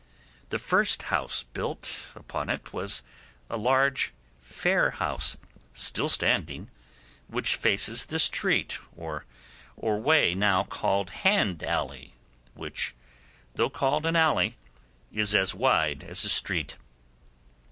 The first house built upon it was a large fair house, still standing, which faces the street or way now called Hand Alley which, though called an alley, is as wide as a street.